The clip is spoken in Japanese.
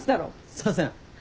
すいません。